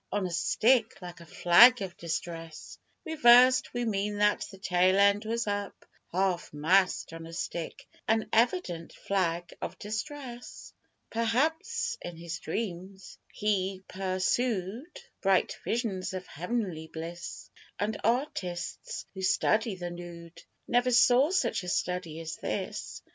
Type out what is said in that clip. (On a stick, like a flag of distress Reversed we mean that the tail end was up Half mast on a stick an evident flag of distress.) Perhaps in his dreams he persood Bright visions of heav'nly bliss; And artists who study the nood Never saw such a study as this.